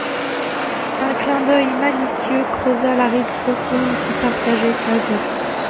Un clin d'œil malicieux creusa la ride profonde qui partageait sa joue.